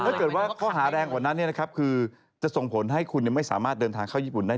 ถ้าเกิดขอหารแรงกว่านั้นนี้นะครับคือจะส่งผลให้คุณยังไม่สามารถเดินทางเข้ายีปุ่นได้